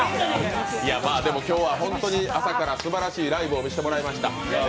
今日は本当に朝からすばらしいライブを見せていただきました。